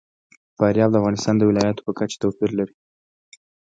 فاریاب د افغانستان د ولایاتو په کچه توپیر لري.